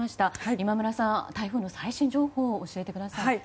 今村さん、台風の最新情報を教えてください。